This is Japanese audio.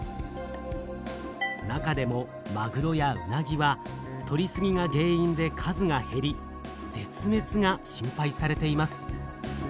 なかでもマグロやウナギはとりすぎが原因で数が減りぜつめつが心配されています。